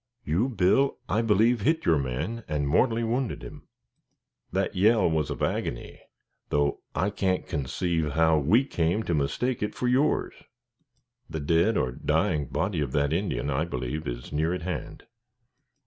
You, Bill, I believe, hit your man and mortally wounded him. That yell was of agony, though I can't conceive how we came to mistake it for yours. The dead or dying body of that Indian, I believe, is near at hand.